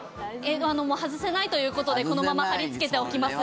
外せないということでこのまま貼りつけておきます。